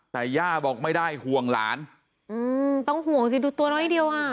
แต่ย่าบอกไม่ได้ห่วงหลานอืมต้องห่วงสิดูตัวน้อยเดียวอ่ะ